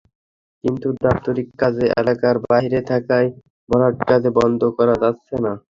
কিন্তু দাপ্তরিক কাজে এলাকার বাইরে থাকায় ভরাটকাজ বন্ধ করা যাচ্ছে না।